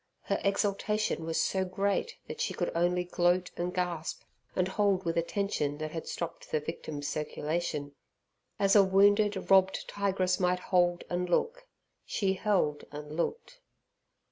Her exultation was so great that she could only gloat and gasp, and hold with a tension that had stopped the victim's circulation. As a wounded, robbed tigress might hold and look, she held and looked.